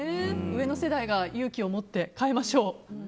上の世代が勇気を持って変えましょう。